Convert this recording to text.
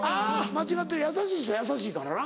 間違ってる優しい人は優しいからな。